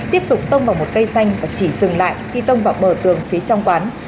tiếp tục tông vào một cây xanh và chỉ dừng lại khi tông vào bờ tường phía trong quán